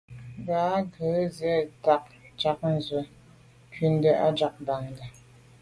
Ŋgá á gə́ jí zǎ tɛ̌n ják ndzwə́ ncúndá â ŋgàbándá.